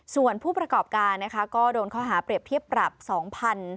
ส่วนผู้ประกอบการนะคะก็โดนข้อหาเปรียบเทียบปรับ๒๐๐บาท